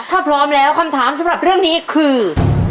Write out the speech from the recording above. ถ้าพร้อมแล้วคำถามสำหรับเรื่องนี้คือ